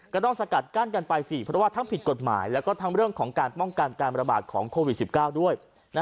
ก็ต้องสกัดกั้นกันไปสิเพราะว่าทั้งผิดกฎหมายแล้วก็ทั้งเรื่องของการป้องกันการประบาดของโควิด๑๙ด้วย